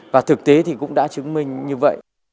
và thực tế cũng đã chứng minh như vậy